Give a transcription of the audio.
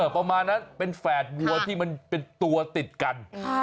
ประมาณนั้นเป็นแฝดวัวที่มันเป็นตัวติดกัน